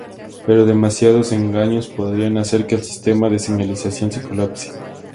Pero demasiados engaños podrían hacer que el sistema de señalización se colapse.